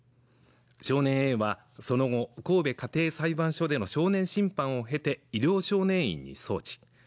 少年はその後神戸家庭裁判所での少年審判を経て医療少年院に送致